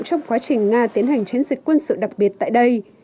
trong quá trình nga tiến hành chiến dịch quân sự đặc biệt tại đây